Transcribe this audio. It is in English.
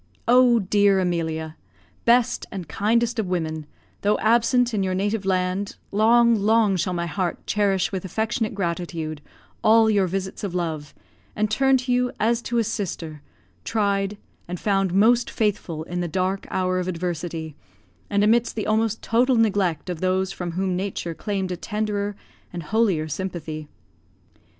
Oh, dear Emilia! best and kindest of women, though absent in your native land, long, long shall my heart cherish with affectionate gratitude all your visits of love, and turn to you as to a sister, tried, and found most faithful, in the dark hour of adversity, and, amidst the almost total neglect of those from whom nature claimed a tenderer and holier sympathy.